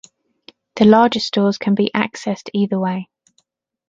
The larger stores can be accessed either way.